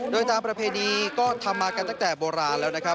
โดยตามประเพณีก็ทำมากันตั้งแต่โบราณแล้วนะครับ